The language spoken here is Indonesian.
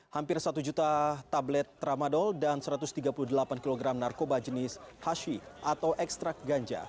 hampir satu juta tablet tramadol dan satu ratus tiga puluh delapan kg narkoba jenis hashi atau ekstrak ganja